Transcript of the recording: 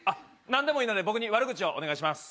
何でもいいので僕に悪口をお願いします。